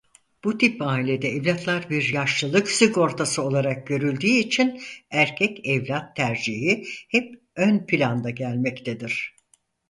Bu tip ailede evlatlar bir yaşlılık sigortası olarak görüldüğü için erkek evlat tercihi hep ön planda gelmektedir.